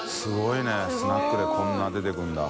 垢瓦いスナックでこんな出てくるんだ。